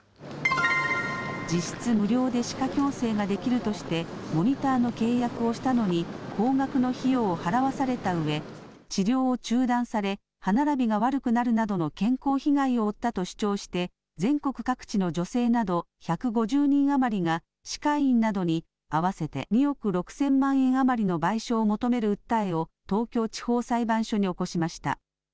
実質無料で歯科矯正ができるとして、モニターの契約をしたのに、高額の費用を払わされたうえ、治療を中断され、歯並びが悪くなるなどの健康被害を負ったと主張して、全国各地の女性など、１５０人余りが歯科医院などに合わせて２億６０００万円余りの賠償を求める訴えを、東京地方裁判所に起こしました。